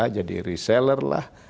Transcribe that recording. jadi reseller lah